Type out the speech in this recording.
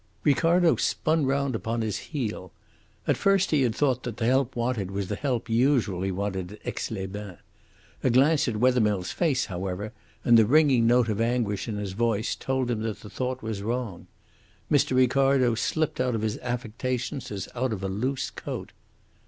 Ricardo spun round upon his heel. At first he had thought that the help wanted was the help usually wanted at Aix les Bains. A glance at Wethermills face, however, and the ringing note of anguish in his voice, told him that the thought was wrong. Mr. Ricardo slipped out of his affectations as out of a loose coat.